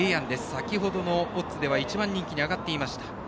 先ほどのオッズでは１番人気に上がっていました。